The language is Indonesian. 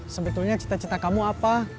sebetulnya cita cita kamu apa